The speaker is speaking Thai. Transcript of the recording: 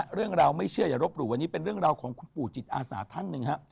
เรื่องราวไม่เชื่ออย่ารบหลู่วันนี้เป็นเรื่องราวของคุณปู่จิตอาสาท่านหนึ่งฮะ